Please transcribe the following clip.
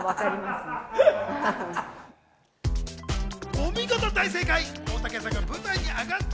お見事、大正解！